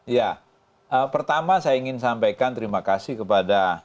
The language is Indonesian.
ya pertama saya ingin sampaikan terima kasih kepada